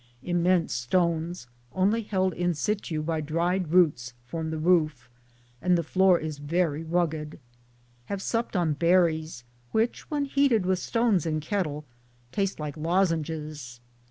Immense stones, only held in situ by dried roots, form the roof, and the floor is very rugged. Have supped on berries, which, when heated with stones in kettle, taste like lozenges.